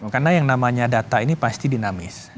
karena yang namanya data ini pasti dinamis